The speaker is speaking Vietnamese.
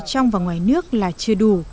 trong và ngoài nước là chưa đủ